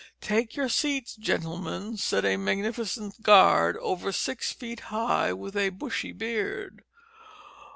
"Take your seats, gentlemen," said a magnificent guard, over six feet high, with a bushy beard.